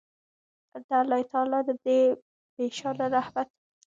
د الله تعالی د دې بې شانه رحمت